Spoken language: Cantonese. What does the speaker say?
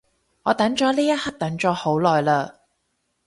我等咗呢一刻等咗好耐嘞